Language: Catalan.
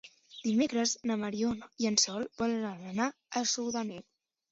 Dimecres na Mariona i en Sol volen anar a Sudanell.